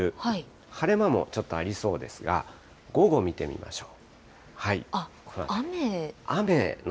晴れ間もちょっとありそうですが、午後見てみましょう。